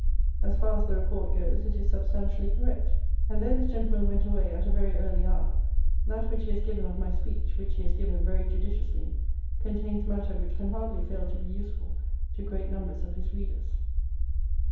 As far as the report goes, it is substantially correct; and, though this gentleman went away at a very early hour, that which he has given of my speech (which he has given very judiciously) contains matter which can hardly fail to be useful to great numbers of his readers.